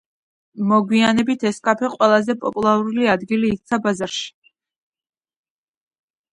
მოგვიანებით ეს კაფე ყველაზე პოპულარულ ადგილად იქცა ბაზარში.